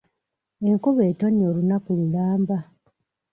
Enkuba etonnye olunaku lulamba.